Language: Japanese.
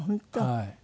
はい。